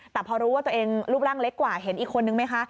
แต่พอรู้ว่าตัวเองรูปร่างเล็กกว่าเห็นอีกคนนึงไหมคะ